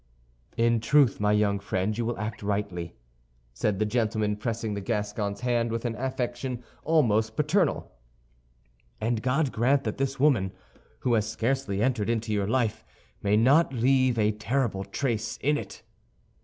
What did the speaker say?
"In truth, my young friend, you will act rightly," said the gentleman, pressing the Gascon's hand with an affection almost paternal; "and God grant that this woman, who has scarcely entered into your life, may not leave a terrible trace in it!"